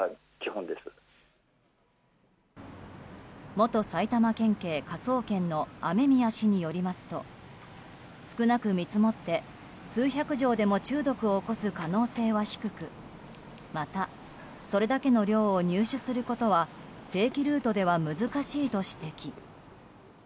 元埼玉県警科捜研の雨宮氏によりますと少なく見積もって数百錠でも中毒を起こす可能性は低くまた、それだけの量を入手することは正規ルートでは難しいと指摘。